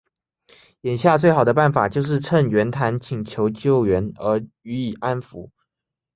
眼下最好的办法就是趁袁谭请求救援而予以安抚。